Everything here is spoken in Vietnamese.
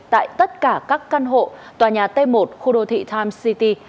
tại tất cả các căn hộ tòa nhà t một khu đô thị times city